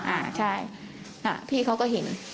อ่าใช่พี่เขาก็เห็น